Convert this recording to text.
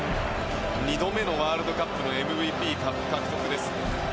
２度目のワールドカップのＭＶＰ獲得です。